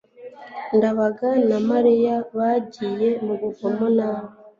ndabaga na mariya bagiye mu buvumo nabi